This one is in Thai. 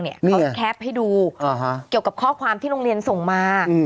เขาแคปให้ดูเกี่ยวกับข้อความที่โรงเรียนส่งมา